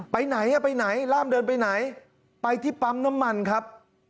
ไปไหนอ่ะไปไหนล่ามเดินไปไหนไปที่ปั๊มน้ำมันครับ